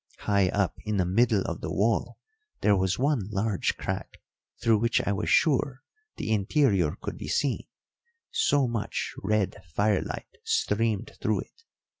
High up in the middle of the wall there was one large crack through which I was sure the interior could be seen, so much red firelight streamed through it.